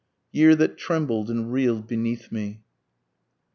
YEAR THAT TREMBLED AND REEL'D BENEATH ME.